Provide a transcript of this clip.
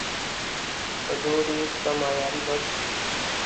Azores کا معیاری وقت